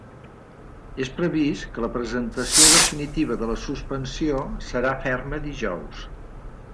És previst que la presentació definitiva de la suspensió serà ferma dijous.